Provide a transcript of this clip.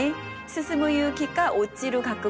「進む勇気か落ちる覚悟か」。